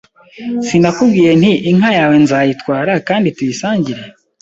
sinakubwiye nti inka yawe nzayitwara kandi tuyisangire